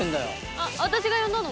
「あっ私が呼んだの」